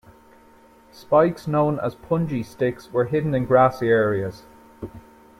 Spikes known as Punji sticks were hidden in grassy areas.